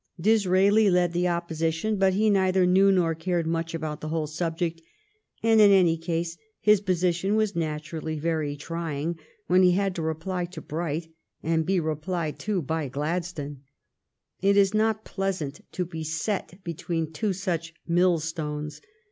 Disraeli led the opposition, but he neither knew nor cared much about the whole subject, and in any case his posi tion was naturally very trying when he had to reply to Bright and be replied to by Gladstone. It is not pleasant to be set between two such millstones.